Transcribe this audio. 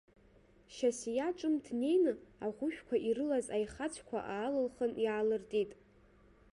Шьасиа ҿымҭ днеины аӷәышәқәа ирылаз аихаҵәқәа аалылхын, иаалыртит.